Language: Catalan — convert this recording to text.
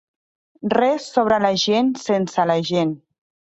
Res sobre la gent sense la gent.